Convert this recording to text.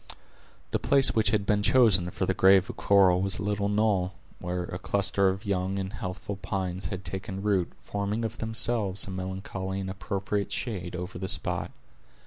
The place which had been chosen for the grave of Cora was a little knoll, where a cluster of young and healthful pines had taken root, forming of themselves a melancholy and appropriate shade over the spot.